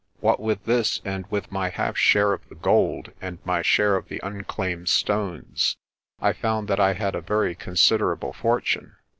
What with this and with my half share of the gold and my share of the unclaimed stones, I found that I had a very considerable fortune.